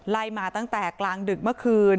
ไล่มาตั้งแต่กลางดึกเมื่อคืน